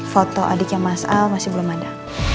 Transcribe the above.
foto adiknya mas al masih belum ada